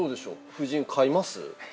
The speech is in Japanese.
夫人、買います？